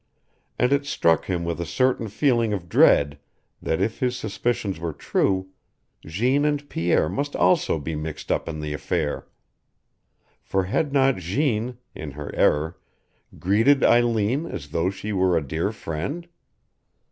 And it struck him with a certain feeling of dread that, if his suspicions were true, Jeanne and Pierre must also be mixed up in the affair. For had not Jeanne, in her error, greeted Eileen as though she were a dear friend?